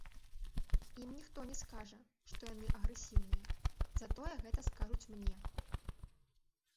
Ім ніхто не скажа, што яны агрэсіўныя, затое гэта скажуць мне.